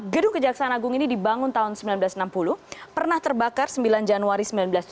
gedung kejaksaan agung ini dibangun tahun seribu sembilan ratus enam puluh pernah terbakar sembilan januari seribu sembilan ratus tujuh puluh